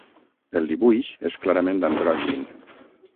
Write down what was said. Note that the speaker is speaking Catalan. El dibuix és clarament androgin.